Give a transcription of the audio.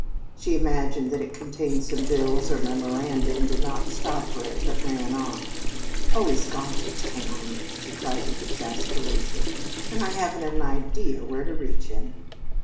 She imagined that it contained some bills or memoranda, and did not stop for it, but ran on. "Oh, he's gone to town," she cried with exasperation, "and I haven't an idea where to reach him!"